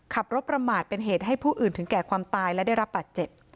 ขับรถประมาทเป็นเหตุให้ผู้อื่นถึงแก่ความตายและได้รับบาดเจ็บ